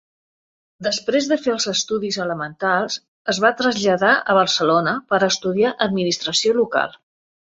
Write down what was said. Després de fer els estudis elementals, es va traslladar a Barcelona per estudiar administració local.